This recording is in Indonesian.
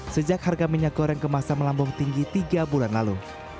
sejak harga minyak goreng kemasan melambung tinggi tiga bulan lalu